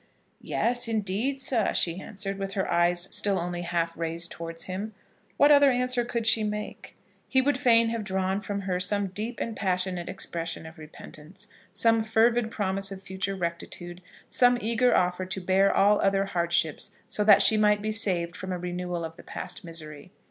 "Yes, indeed, sir," she answered, with her eyes still only half raised towards him. What other answer could she make? He would fain have drawn from her some deep and passionate expression of repentance, some fervid promise of future rectitude, some eager offer to bear all other hardships, so that she might be saved from a renewal of the past misery.